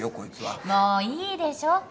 もういいでしょ。